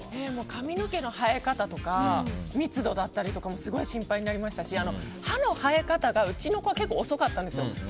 髪の毛の生え方とか密度だったりすごい心配になりましたし歯の生え方がうちの子は結構遅かったんですよ。